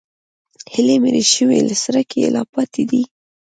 هیلې مړې شوي که څرک یې لا پاتې دی؟